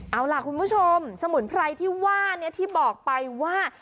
เอาล่ะคุณผู้ชมสมุนไพรที่ว่านี้ที่บอกไปว่า